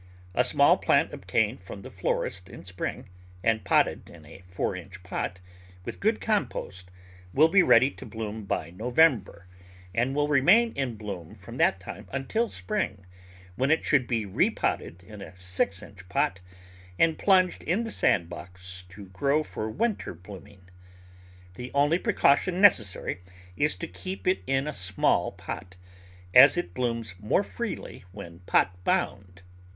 A small plant obtained from the florist in spring and potted in a four inch pot, with good compost, will be ready to bloom by November, and will remain in bloom from that time until spring, when it should be repotted in a six inch pot and plunged in the sand box to grow for winter blooming. The only precaution necessary is to keep it in a small pot, as it blooms more freely when pot bound.